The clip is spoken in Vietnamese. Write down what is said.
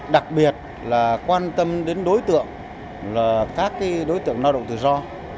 đặc biệt là quan tâm đến đối tượng là các đối tượng lao động tự do